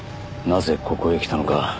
なぜここへ来たのか。